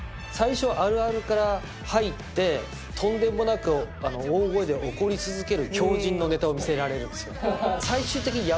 最初はあるあるから入ってとんでもなく大声で怒り続ける狂人のネタを見せられるんですよ。